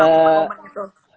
pak momen gitu